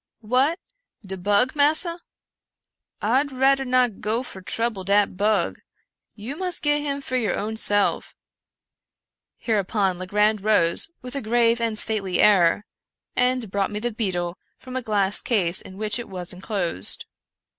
"What! de bug, massa? I'd rudder not go fer trubble dat bug; you mus' git him for your own self." Hereupon Legrand arose, with a grave and stately air, and brought me the beetle from a glass case in which it was enclosed.